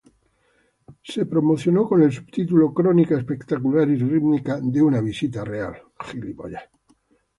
Fue promocionada con el subtítulo: "Crónica espectacular y rítmica de una visita real".